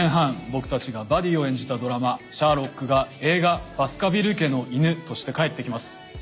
僕たちがバディを演じたドラマ『シャーロック』が映画『バスカヴィル家の犬』として帰ってきます。